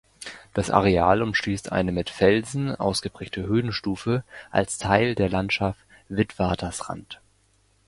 Das Areal umschließt eine mit Felsen ausgeprägte Höhenstufe als Teil der Landschaft Witwatersrand.